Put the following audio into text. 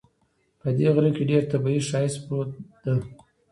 په دې غره کې ډېر طبیعي ښایست پروت ده